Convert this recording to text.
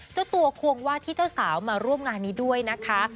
เจ้าตัวควงว่าที่เจ้าสาวมาร่วมงานนี้ด้วยนะคะ